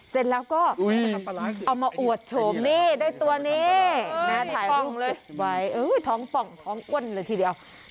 เสร็จแล้วก็เอามาอวดโฉมนี่ได้ตัวนี้ถ่ายไว้ท้องป่องท้องอ้วนเลยทีเดียว